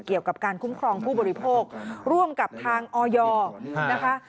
เกี่ยวกับการคุ้มครองผู้บริโภคร่วมกับทางออยนะคะ